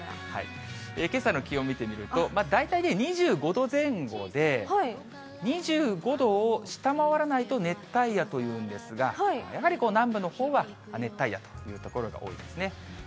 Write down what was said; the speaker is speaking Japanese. けさの気温見てみると、大体２５度前後で、２５度を下回らないと、熱帯夜というんですが、やはり南部のほうは熱帯夜という所が多いですね。